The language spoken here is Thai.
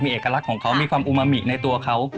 เอกลักษณ์ของเขามีความอุมามิในตัวเขา